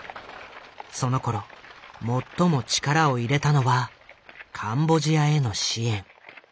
そのころ最も力を入れたのはカンボジアへの支援。